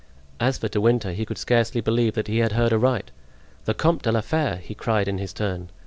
As for De Winter he could scarcely believe that he had heard aright. "The Comte de la Fere!" he cried in his turn.